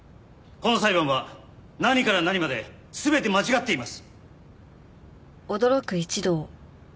この裁判は何から何まで全て間違っています。